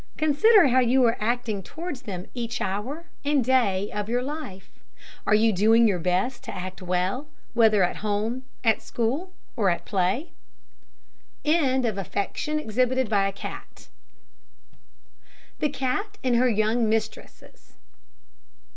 Consider how you are acting towards them each hour and day of your life. Are you doing your best to act well, whether at home, at school, or at play? THE CAT AND HER YOUNG MISTRESSES.